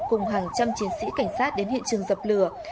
cùng hàng trăm chiến sĩ cảnh sát đến hiện trường dập lửa